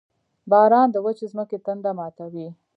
• باران د وچې ځمکې تنده ماتوي.